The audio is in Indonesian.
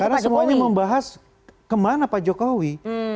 karena semuanya membahas kemana pak jokowi